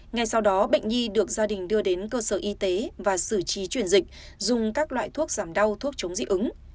ngay sau đó bệnh nhi được gia đình đưa đến cơ sở y tế và xử trí chuyển dịch dùng các loại thuốc giảm đau thuốc chống dị ứng